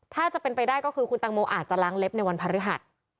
ถ้าจะเป็นไปได้ก็คือคุณตังโมอาจจะล้างเล็บในวันพฤหัส